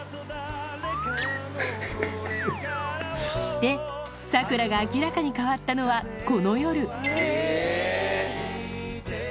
で、サクラが明らかに変わったのは、この夜。